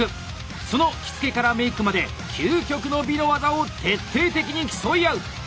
その着付からメイクまで究極の美の技を徹底的に競い合う！